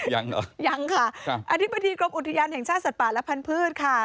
ยังเหรอยังค่ะอธิบดีกรมอุทยานแห่งชาติสัตว์ป่าและพันธุ์ค่ะ